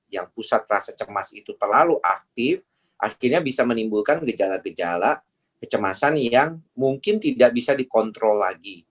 yang pusat rasa cemas itu terlalu aktif akhirnya bisa menimbulkan gejala gejala kecemasan yang mungkin tidak bisa dikontrol lagi